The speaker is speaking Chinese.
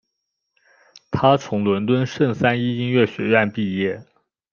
他从伦敦圣三一音乐学院毕业。